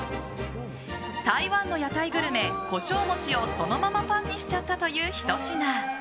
台湾の屋台グルメ胡椒餅をそのままパンにしちゃったというひと品。